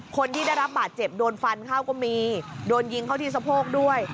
คนที่ได้รับบาดเจ็บโดนฟันเข้าก็มีโดนยิงเข้าที่สะโพกด้วย